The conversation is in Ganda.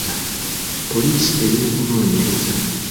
Poliisi eri mu kunoonyereza.